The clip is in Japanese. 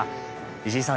石井さん